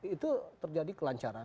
itu terjadi kelancaran